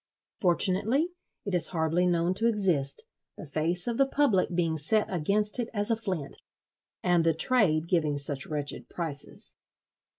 Fortunately it is hardly known to exist: the face of the public being set against it as a flint—and the trade giving such wretched prices.